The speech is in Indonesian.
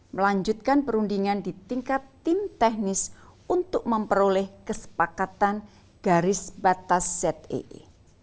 melanjutkan perundingan di tingkat tim teknis untuk memperoleh kesepakatan garis batas zee